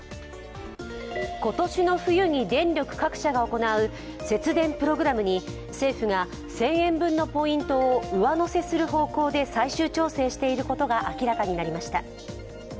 今年の冬に電力各社が行う節電プログラムに政府が１０００円分のポイントを上乗せする方向で最終調整していることが明らかになりました。